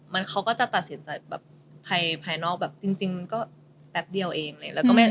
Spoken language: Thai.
มันเขาก็จะตัดสินจากแบบภายนอกแบบจริงก็แป๊บเดียวเองเลย